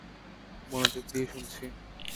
মনোযোগ দিয়ে শুনছি।